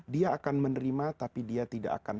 dia akan menerima tapi dia tidak akan